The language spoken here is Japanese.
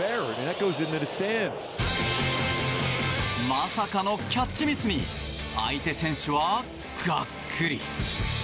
まさかのキャッチミスに相手選手はがっくり。